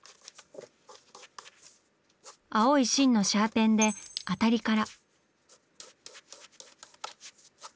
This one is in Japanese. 青い芯のシャーペンでアタリから。